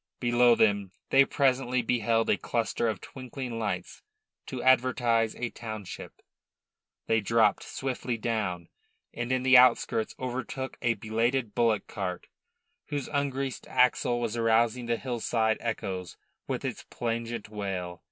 Below them they presently beheld a cluster of twinkling lights to advertise a township. They dropped swiftly down, and in the outskirts overtook a belated bullock cart, whose ungreased axle was arousing the hillside echoes with its plangent wail.